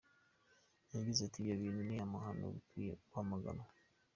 Yagize ati “Ibyo bintu ni amahano bikwiye kwamaganwa.